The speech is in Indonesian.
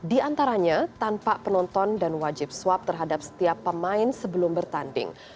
di antaranya tanpa penonton dan wajib swab terhadap setiap pemain sebelum bertanding